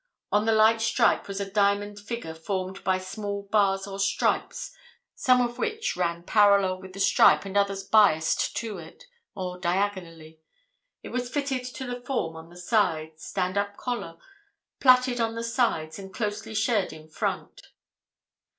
On the light stripe was a diamond figure formed by small bars or stripes, some of which ran parallel with the stripe and others biased to it, or diagonally. It was fitted to the form on the sides, standup collar, plaited on the sides and closely shirred in front."